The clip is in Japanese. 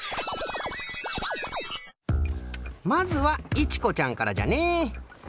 まずはいちこちゃんからじゃね。